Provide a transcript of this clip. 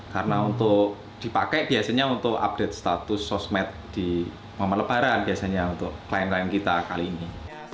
karena untuk dipakai biasanya untuk update status sosmed di momen lebaran biasanya untuk klien klien kita kali ini